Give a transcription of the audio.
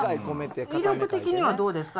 威力的にはどうですか？